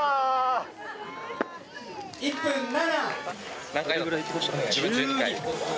１分７。